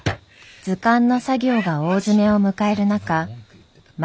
図鑑の作業が大詰めを迎える中万